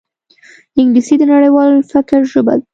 انګلیسي د نړیوال فکر ژبه ده